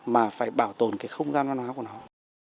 mà phải bảo tồn cái không gian văn hóa của nó